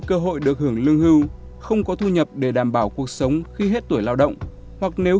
cơ hội được hưởng lương hưu không có thu nhập để đảm bảo cuộc sống khi hết tuổi lao động hoặc nếu